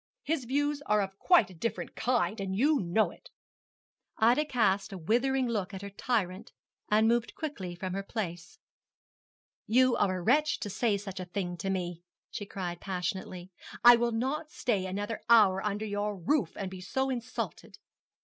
His views are of quite a different kind, and you know it.' Ida cast a withering look at her tyrant, and moved quickly from her place. 'You are a wretch to say such a thing to me,' she cried passionately; 'I will not stay another hour under your roof to be so insulted.'